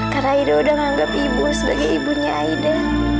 karena aida sudah anggap ibu sebagai ibunya aida